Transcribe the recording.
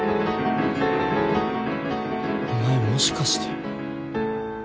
お前もしかして。